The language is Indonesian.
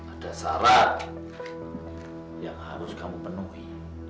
ada syarat yang harus kamu penuhi